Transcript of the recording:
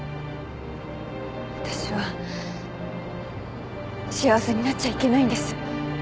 私は幸せになっちゃいけないんです。